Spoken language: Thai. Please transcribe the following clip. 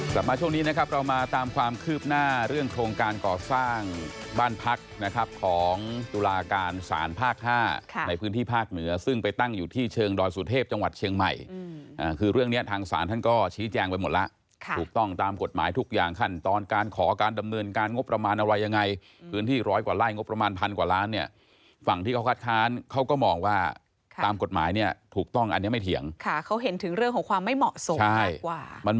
สามารถช่วงนี้นะครับเรามาตามความคืบหน้าเรื่องโครงการก่อสร้างบ้านพักนะครับของตุลาการศาลภาคห้าในพื้นที่ภาคเหนือซึ่งไปตั้งอยู่ที่เชิงดอยสุเทพจังหวัดเชียงใหม่คือเรื่องนี้ทางศาลท่านก็ชี้แจ้งไปหมดแล้วถูกต้องตามกฎหมายทุกอย่างขั้นตอนการขอการดำเนินการงบประมาณอะไรยังไงพื้นที่ร้อยกว่าไล่งบ